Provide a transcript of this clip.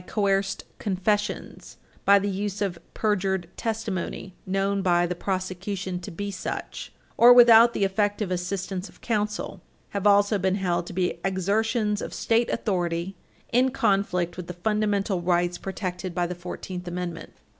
17 coerced confessions, [Footnote 16] by the use of perjured testimony known by the prosecution to be such, [Footnote 17] or without the effective assistance of counsel, [Footnote 18] have also been held to be exertions of state authority in conflict with the fundamental rights protected by the Fourteenth Amendment.